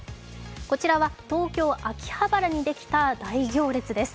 こちらは東京・秋葉原にできた大行列です。